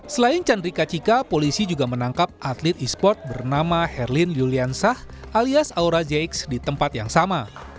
selain chandrika chika polisi juga menangkap atlet esport bernama herlin yuliansah alias aura jx di tempat yang sama